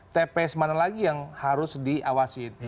tps mana lagi yang harus diawasin